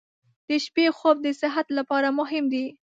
• د شپې خوب د صحت لپاره مهم دی.